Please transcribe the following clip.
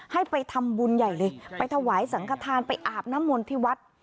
ให้ไปทำบุญใหญ่เลยไปถวายสังขทานไปอาบน้ำมนต์ที่วัด